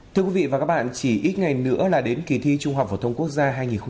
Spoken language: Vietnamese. thưa quý vị và các bạn chỉ ít ngày nữa là đến kỳ thi trung học phổ thông quốc gia hai nghìn một mươi tám